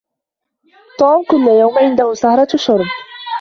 طوم كل يوم عنده سهرة شرب